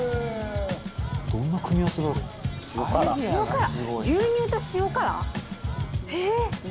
「どんな組み合わせだろ」えっ！